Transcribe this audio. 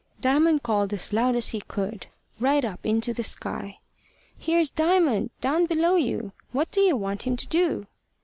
Diamond called as loud as he could, right up into the sky: "Here's Diamond, down below you. What do you want him to do?"